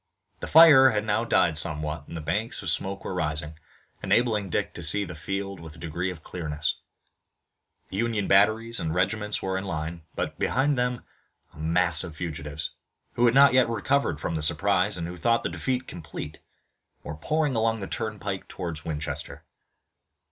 The fire had now died somewhat and the banks of smoke were rising, enabling Dick to see the field with a degree of clearness. Union batteries and regiments were in line, but behind them a mass of fugitives, who had not yet recovered from the surprise and who thought the defeat complete, were pouring along the turnpike toward Winchester.